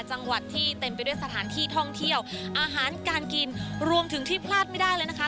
จังหวัดที่เต็มไปด้วยสถานที่ท่องเที่ยวอาหารการกินรวมถึงที่พลาดไม่ได้เลยนะคะ